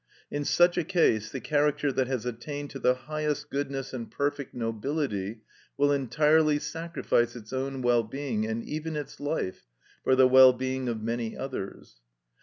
In such a case, the character that has attained to the highest goodness and perfect nobility will entirely sacrifice its own well being, and even its life, for the well being of many others.